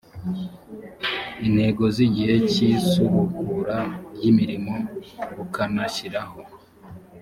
intego z igihe cy isubukura ry imirimo bukanashyiraho